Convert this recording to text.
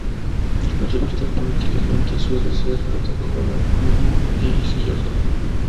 La revista políticamente suele ser catalogada como de izquierda.